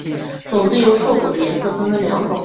种子由瘦果的颜色分成两种。